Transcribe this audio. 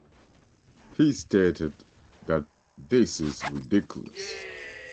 He stated that This is ridiculous.